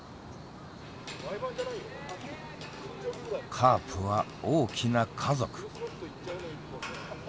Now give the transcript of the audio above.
カープは大きな家族。